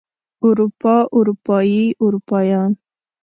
اروپا اروپايي اروپايان